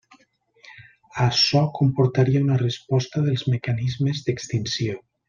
Açò comportaria una resposta dels mecanismes d'extinció.